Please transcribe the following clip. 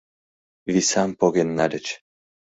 Висам поген нальыч.